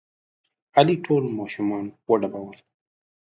علي ټول ماشومان وډبول.